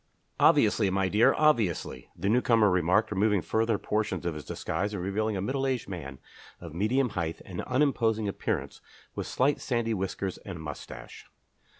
"Obviously, my dear, obviously," the newcomer remarked, removing further portions of his disguise and revealing a middle aged man of medium height and unimposing appearance, with slight sandy whiskers and moustache.